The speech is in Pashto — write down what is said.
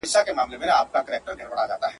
چا به ویل چي یوه ورځ به داسي هم ووینو!